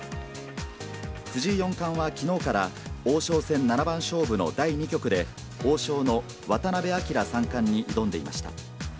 藤井四冠はきのうから、王将戦七番勝負の第２局で、王将の渡辺明三冠に挑んでいました。